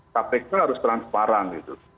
kpk harus transparan gitu